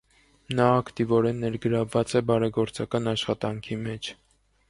Նա ակտիվորեն ներգրավված է բարեգործական աշխատանքի մեջ։